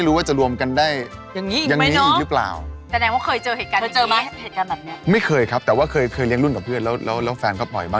สาวคนนี้สวยนิสัยดีแล้วก็สเปคเลย